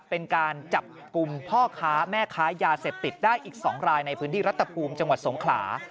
เป็นการจับกลุ่มพ่อค้าแม่ค้ายาเสพติดได้อีก๒รายในพื้นที่รัฐภูมิจังหวัดสงขลา